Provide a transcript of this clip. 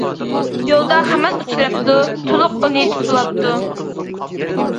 يولدا خامان ئۇچراپتۇ، تولۇق ئۇنى تۇتۇۋاپتۇ.